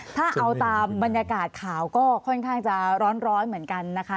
ถ้าเอาตามบรรยากาศข่าวก็ค่อนข้างจะร้อนเหมือนกันนะคะ